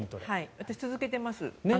私、続けてます。